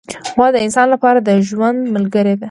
غوا د انسان لپاره د ژوند ملګرې ده.